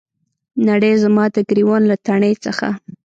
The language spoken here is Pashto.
نړۍ زما د ګریوان له تڼۍ څخه